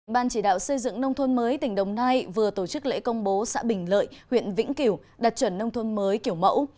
ban chỉ đạo xây dựng nông thôn mới tỉnh đồng nai vừa tổ chức lễ công bố xã bình lợi huyện vĩnh kiểu đặt chuẩn nông thôn mới kiểu mẫu